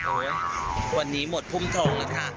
โอ๊ยวันนี้หมดภูมิทองแล้วค่ะ